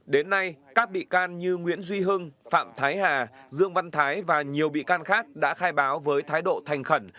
đến nay các bị can như nguyễn duy hưng phạm thái hà dương văn thái và nhiều bị can khác đã khai báo với thái độ thành khẩn